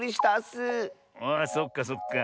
あそっかそっか。